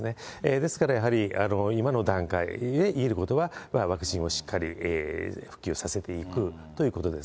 ですからやはり、今の段階で言えることは、ワクチンをしっかり普及させていくということです。